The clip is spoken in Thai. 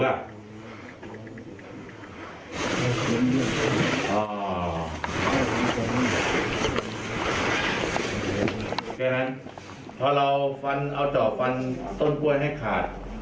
เพราะฉะนั้นพอเราฟันเอาจอบฟันต้นกล้วยให้ขาด